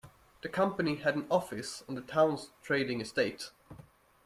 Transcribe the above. The company had an office on the town's trading estate